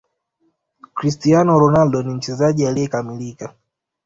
cristiano ronaldo ni mchezaji alieyekamilika